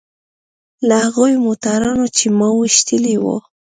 له هغو موټرانو چې ما ويشتلي وو.